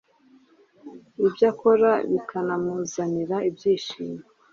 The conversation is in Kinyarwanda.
ibyo akora bikanamuzanira ibyishimo,